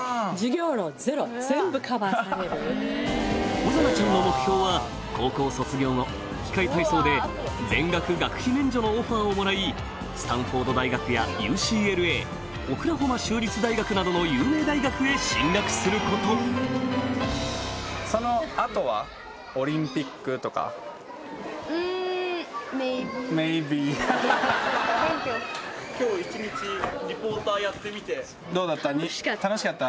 ホザナちゃんの目標は高校卒業後器械体操で全額学費免除のオファーをもらいスタンフォード大学やＵＣＬＡオクラホマ州立大学などの有名大学へ進学することＭａｙｂｅ．楽しかった？